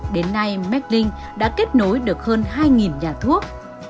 đến nay meklinh đã kết nối được hơn hai nhà thuốc